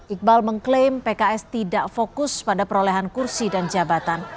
iqbal mengklaim pks tidak fokus pada perolehan kursi dan jabatan